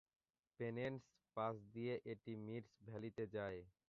পেনেন্স pass দিয়ে এটা মিরস ভ্যালিতে যায়।